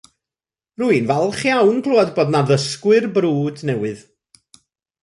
Rwy'n falch iawn clywed bod 'na ddysgwyr brwd newydd